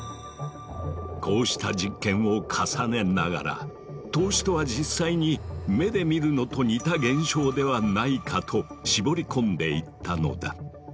こうした実験を重ねながら透視とは実際に目で見るのと似た現象ではないかと絞り込んでいったのだ。